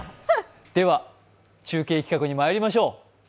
では中継企画にまいりましょう。